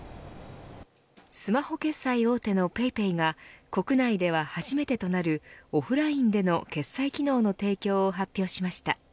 スマホ決済大手のＰａｙＰａｙが国内では初めてとなるオフラインでの決済機能の提供を発表しました。